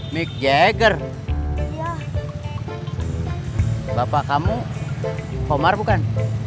mick jagger bapak kamu omar bukan